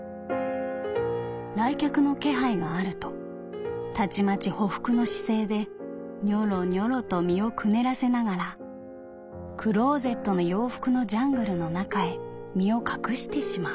「来客の気配があるとたちまち匍匐の姿勢でにょろにょろと身をくねらせながらクローゼットの洋服のジャングルの中へ身を隠してしまう。